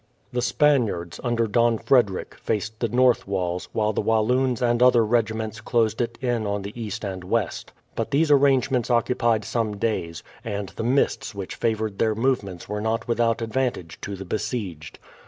The Spaniards, under Don Frederick, faced the north walls, while the Walloons and other regiments closed it in on the east and west. But these arrangements occupied some days; and the mists which favoured their movements were not without advantage to the besieged.